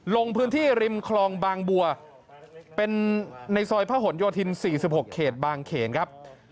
ลงพื้นที่ริมคลองบางบัวเป็นในซอยพระหลโยธิน๔๖เขตบางเขนครับ